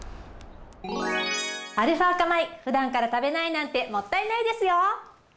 アルファ化米、ふだんから食べないなんてもったいないですよ。